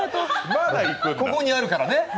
ここにあるからね。